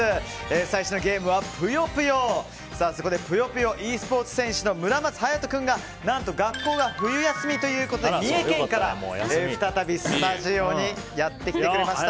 最初のゲームは「ぷよぷよ」、そこで「ぷよぷよｅスポーツ」選手の村松勇人君が何と学校が冬休みということで三重県から再びスタジオにやってきてくれました。